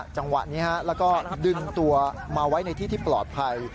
จังหวะนี้แล้วก็ดึงตัวมาไว้ในที่ที่ปลอดภัย